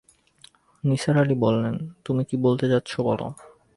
নিসার আলি বললেন, তুমি কী বলতে চাচ্ছ বল।